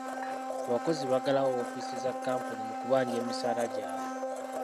Abakozi baggalawo woofiisi za kkampuni mu kubanja emisaala gyabwe.